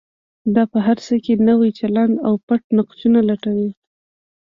دا په هر څه کې نوی چلند او پټ نقشونه لټوي.